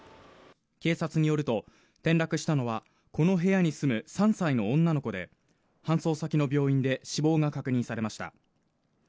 警察によると転落したのはこの部屋に住む３歳の女の子で搬送先の病院で死亡が確認されました